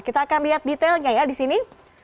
kita akan lihat detailnya ya di sini